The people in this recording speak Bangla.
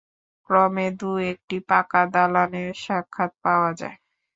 ক্রমে দু একটি পাকা দালানের সাক্ষাৎ পাওয়া যায়।